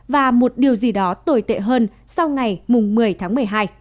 và một điều gì đó tồi tệ hơn sau ngày một mươi tháng một mươi hai